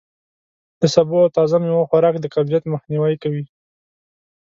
د سبو او تازه میوو خوراک د قبضیت مخنوی کوي.